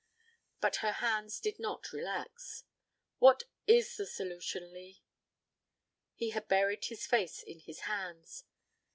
But her hands did not relax. "What is the solution, Lee?" He had buried his face in his hands.